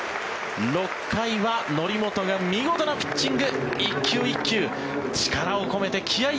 ６回は則本が見事なピッチング。